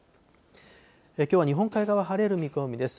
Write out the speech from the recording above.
きょうは日本海側、晴れる見込みです。